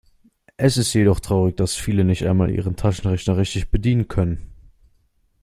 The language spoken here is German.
Es ist jedoch traurig, dass viele nicht einmal ihren Taschenrechner richtig bedienen können.